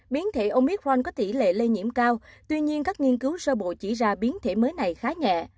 biến thể omit ron có tỷ lệ lây nhiễm cao tuy nhiên các nghiên cứu sơ bộ chỉ ra biến thể mới này khá nhẹ